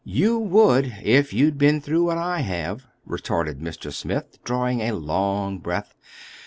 "You would—if you'd been through what I have," retorted Mr. Smith, drawing a long breath.